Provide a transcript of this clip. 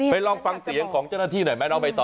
ลองฟังเสียงของเจ้าหน้าที่หน่อยไหมน้องใบตอ